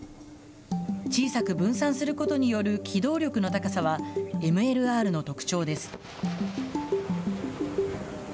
小さく分散することによる機動力の高さはＭＬＲの特徴です。